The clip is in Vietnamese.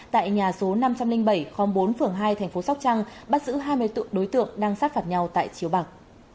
tại nhà số năm trăm linh bảy khóm bốn phường hai tp sóc trăng bắt giữ hai mươi tượng đối tượng đang sát phạt nhau tại chiếu bạc